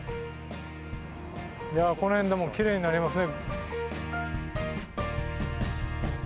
いやあこの辺でもきれいになりますね。